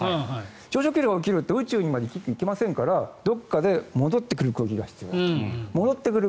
上昇気流が起きると宇宙まで行きませんからどこかで戻ってくる空気が必要になってくる。